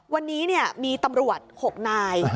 วันนี้มีตำรวจ๖นาย